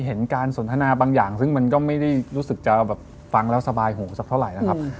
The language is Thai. เห็นการสนทนาบางอย่างซึ่งมันก็ไม่ได้รู้สึกจะแบบฟังแล้วสบายหูสักเท่าไหร่นะครับ